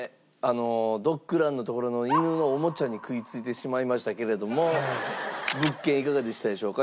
ドッグランのところの犬のおもちゃに食いついてしまいましたけれども物件いかがでしたでしょうか？